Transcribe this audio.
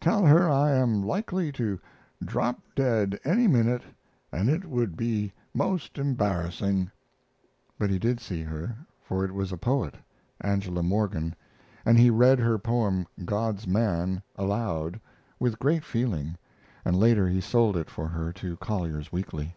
Tell her I am likely to drop dead any minute and it would be most embarrassing." But he did see her, for it was a poet Angela Morgan and he read her poem, "God's Man," aloud with great feeling, and later he sold it for her to Collier's Weekly.